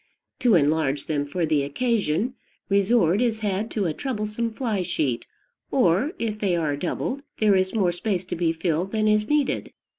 To enlarge them for the occasion, resort is had to a troublesome fly sheet, or, if they are doubled, there is more space to be filled than is needed.